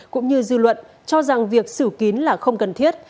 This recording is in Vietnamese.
cũng như dư luận cho rằng việc xử kín là không cần thiết